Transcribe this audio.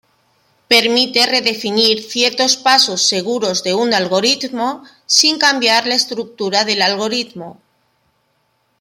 Permite redefinir ciertos pasos seguros de un algoritmo sin cambiar la estructura del algoritmo.